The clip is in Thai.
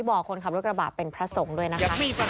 ผมก็ไม่ได้เห็นผมก็ไม่ได้ใจหลอด